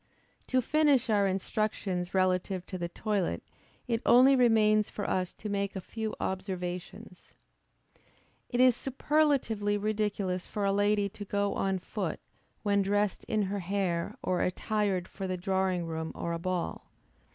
To finish our instructions relative to the toilet, it only remains for us to make a few observations. It is superlatively ridiculous for a lady to go on foot, when dressed in her hair, or attired for the drawing room or a ball.